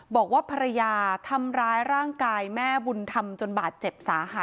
บอกว่าภรรยาทำร้ายร่างกายแม่บุญธรรมจนบาดเจ็บสาหัส